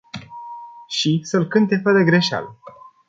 Și să-l cânte fără greșeală.